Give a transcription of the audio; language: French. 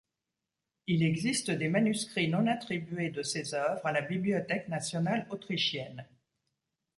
Il existe des manuscrits non attribués de ses œuvres à la Bibliothèque nationale autrichienne.